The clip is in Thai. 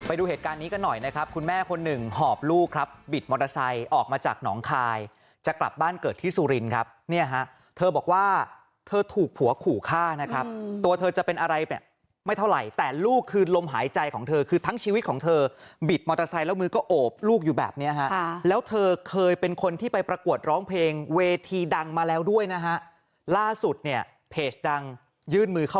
ไปดูเหตุการณ์นี้กันหน่อยนะครับคุณแม่คนหนึ่งหอบลูกครับบิดมอเตอร์ไซค์ออกมาจากหนองคายจะกลับบ้านเกิดที่สุรินครับเนี่ยฮะเธอบอกว่าเธอถูกผัวขู่ฆ่านะครับตัวเธอจะเป็นอะไรไม่เท่าไหร่แต่ลูกคือลมหายใจของเธอคือทั้งชีวิตของเธอบิดมอเตอร์ไซค์แล้วมือก็โอบลูกอยู่แบบเนี่ยฮะแล้วเธอเค